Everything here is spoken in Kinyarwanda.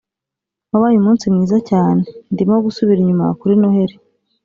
wabaye umunsi mwiza cyanendimo gusubira inyuma kuri noheri,